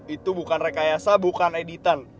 itu bukan rekayasa bukan editan